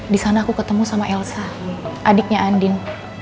di sana aku ketemu sama elsa adiknya andin